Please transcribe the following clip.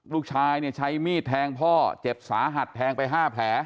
ลูกชายเนี่ยใช้มีดแทงพ่อเจ็บสาหัสแทงไป๕แผล